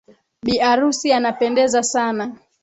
bi arusi anapendeza sana.